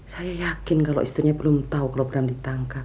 saya yakin kalau istrinya belum tahu kalau bram ditangkap